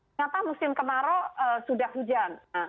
ternyata musim kemarau sudah hujan